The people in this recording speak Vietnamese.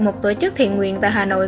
một tổ chức thiện nguyện tại hà nội